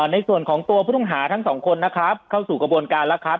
ในส่วนของตัวผู้ต้องหาทั้งสองคนนะครับเข้าสู่กระบวนการแล้วครับ